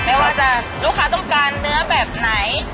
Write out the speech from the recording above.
ไม่ว่าจะลูกค้าต้องการเนื้อแบบไหน